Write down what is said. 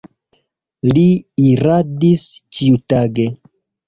Li iradis ĉiutage.